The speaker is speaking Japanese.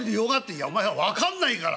「いやお前が分かんないから」。